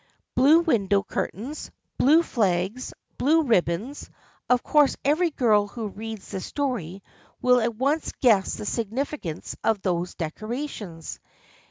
Blue window curtains, blue flags, blue rib bons. Of course every girl who reads this story will at once guess the significance of these decora tions.